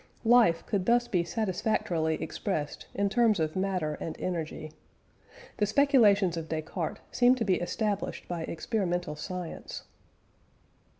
Life could thus be satisfactorily expressed in terms of matter and energy. The speculations of Descartes seemed to be established by experimental science.